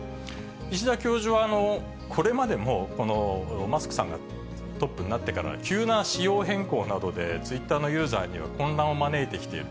石田教授はこれまでも、マスクさんがトップになってから急な仕様変更などでツイッターのユーザーに混乱を招いてきている。